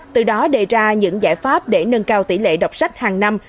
từ đó đề ra những giải pháp để nâng cao tỷ lệ đọc sách hàng năm